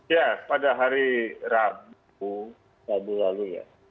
ya pada hari rabu rabu lalu ya